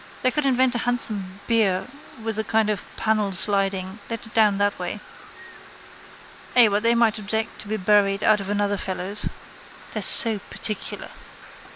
They could invent a handsome bier with a kind of panel sliding, let it down that way. Ay but they might object to be buried out of another fellow's. They're so particular.